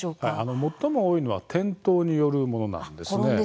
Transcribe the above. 最も多いのは転倒によるものです。